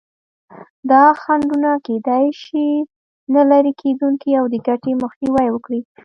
دا خنډونه کېدای شي نه لرې کېدونکي او د ګټې مخنیوی وکړي.